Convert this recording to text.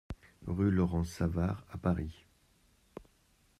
Rue Laurence Savart à Paris